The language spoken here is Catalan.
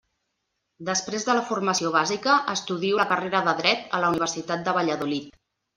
Després de la formació bàsica, estudio la carrera de Dret a la Universitat de Valladolid.